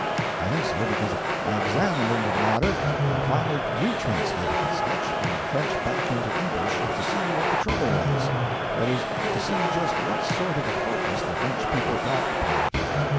I think so because I examined into the matter and finally retranslated the sketch from the French back into English, to see what the trouble was; that is, to see just what sort of a focus the French people got upon it.